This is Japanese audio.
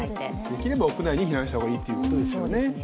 できれば屋内に避難した方がいいということですよね。